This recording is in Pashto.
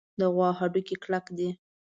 د غوا هډوکي کلک دي.